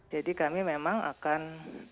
jadi kami memang akan